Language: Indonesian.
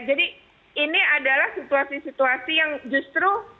jadi ini adalah situasi situasi yang justru